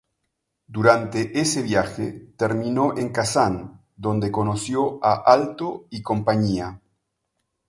Durante ese viaje, terminó en Kazan, donde conoció a Alto y compañía.